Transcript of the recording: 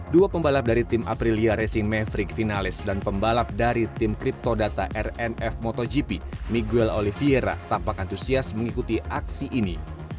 dua pembalap dari tim aprilia racing maverick finalis dan pembalap dari tim kriptodata rnf motogp miguel oliviera tampak antusias mengikuti aksi ini